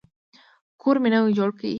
کور مي نوی جوړ کی.